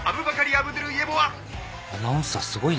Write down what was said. アナウンサーすごいな。